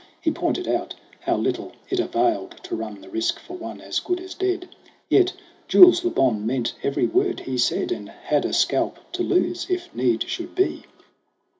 He pointed out how little it availed To run the risk for one as good as dead ; Yet, Jules Le Bon meant every word he said, And had a scalp to lose, if need should be.